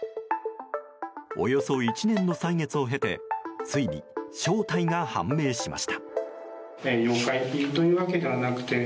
およそ１年の歳月を経てついに正体が判明しました。